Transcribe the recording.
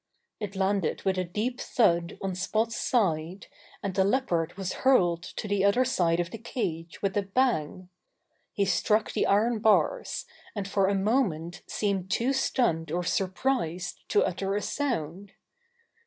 It landed with a deep thud on Spot's side, and the Leopard was hurled to the other side of the cage with a bang. He struck the iron bars, and for a moment seemed too stunned or surprised to utter a sound.